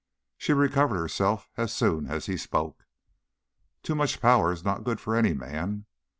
She recovered herself as soon as he spoke. "Too much power is not good for any man!